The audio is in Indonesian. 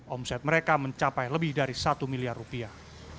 omset mereka mencapai lebih dari satu miliar rupiah